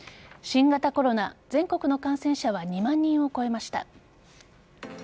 新型コロナ、全国の感染者は２万人を超えました。